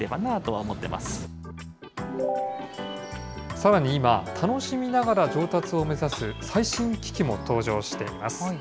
さらに今、楽しみながら上達を目指す最新機器も登場しています。